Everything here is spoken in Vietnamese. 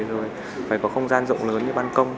rồi phải có không gian rộng lớn như ban công